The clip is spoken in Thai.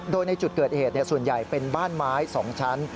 โดยในจุดเกิดเหตุส่วนใหญ่เป็นบ้านไม้๒ชั้น